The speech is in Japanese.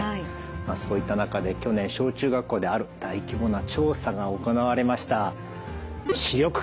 そういった中で去年小中学校である大規模な調査が行われました。